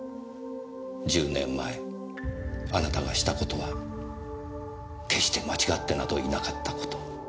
１０年前あなたがした事は決して間違ってなどいなかった事を。